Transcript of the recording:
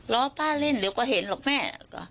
ล้อป้าเล่นเดี๋ยวก็เห็นหรอกแม่